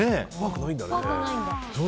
怖くないんだ。